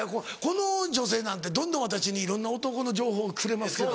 この女性なんてどんどん私にいろんな男の情報をくれます。